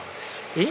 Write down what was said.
えっ？